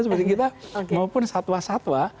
seperti kita maupun satwa satwa